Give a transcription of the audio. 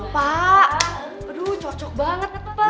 pak aduh cocok banget